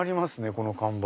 この看板。